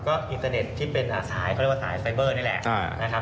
ก็อินเทอร์เน็ตที่เป็นสายเขาเรียกว่าสายไฟเบอร์นี่แหละนะครับ